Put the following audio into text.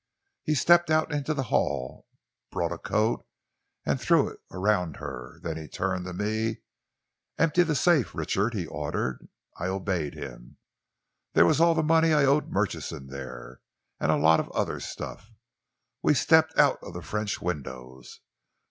"He stepped out into the hall, brought a coat and threw it around her. Then he turned to me. "'Empty the safe, Richard,' he ordered. "I obeyed him. There was all the money I owed Murchison there, and a lot of other stuff. We stepped out of the French windows.